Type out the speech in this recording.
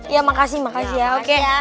ya makasih ya oke